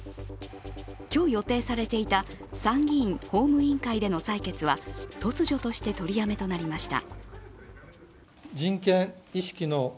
今日、予定されていた参議院・法務委員会での採決は突如として取りやめとなりました。